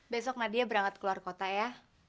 besok nadia berangkat keluar kota ya